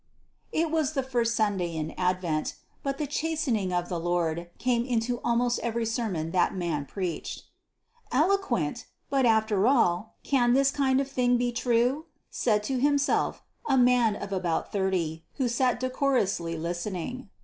It was the first Sunday in Advent; but "the chastening of the Lord" came into almost every sermon that man preached. "Eloquent! But after all, can this kind of thing be true?" said to himself a man of about thirty, who sat decorously listening.